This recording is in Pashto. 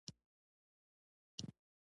ما ویل کومه خوا لاړ شم.